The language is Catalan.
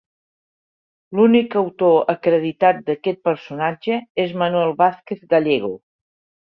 L'únic autor acreditat d'aquest personatge es Manuel Vázquez Gallego.